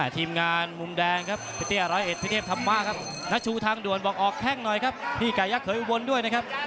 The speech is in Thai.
ตีมงานตกต่อมหวานสั่งโดนอยู่เดียวเลย